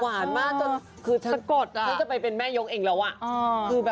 หวานมากจนก็จะไปเป็นแม่โยกเองแล้ว